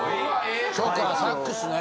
そうかサックスね。